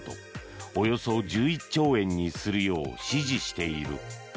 およそ１１兆円にするよう指示している。